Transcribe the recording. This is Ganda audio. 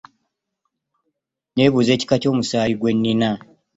Nebuuza ekika ky' omusaayi gwe ninna .